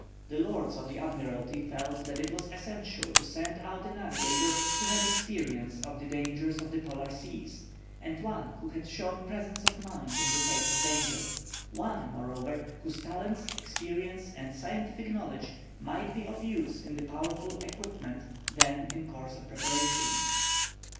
The Lords of the Admiralty felt that it was essential to send out a navigator who had experience of the dangers of the Polar Seas, and one who had shown presence of mind in the face of danger; one moreover, whose talents, experience, and scientific knowledge might be of use in the powerful equipment then in course of preparation.